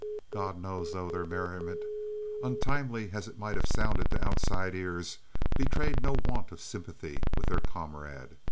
God knows, though, their merriment, untimely as it might have sounded to outside ears, betrayed no want of sympathy with their comrade.